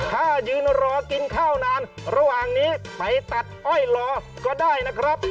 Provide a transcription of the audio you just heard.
ถ้ายืนรอกินข้าวนานระหว่างนี้ไปตัดอ้อยรอก็ได้นะครับ